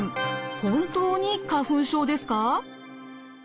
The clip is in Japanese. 本当に花粉症ですか？